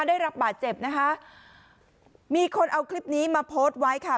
ได้รับบาดเจ็บนะคะมีคนเอาคลิปนี้มาโพสต์ไว้ค่ะ